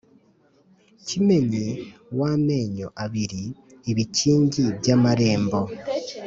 Kimenyi w'amenyo abiri-Ibikingi by'amarembo.